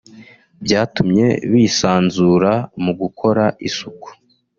byatumye bisanzura mu gukora isuku